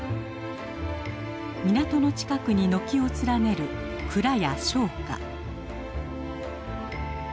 港の近くに軒を連ねる蔵や商家。